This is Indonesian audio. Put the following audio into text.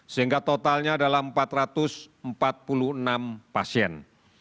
sehingga totalnya adalah empat ratus empat puluh enam pasien